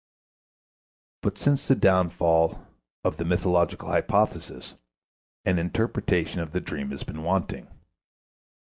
But since the downfall of the mythological hypothesis an interpretation of the dream has been wanting.